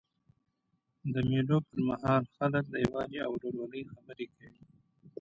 د مېلو پر مهال خلک د یووالي او ورورولۍ خبري کوي.